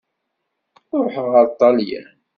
Ṛuḥeɣ ar Ṭelyan.